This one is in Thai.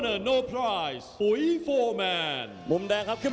นี่ครับจุดเกิดเหตุอยู่ตรงนี้ครับ